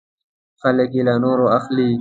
خلک یې له نورو اخلي .